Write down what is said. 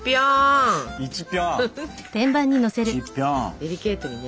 デリケートにね。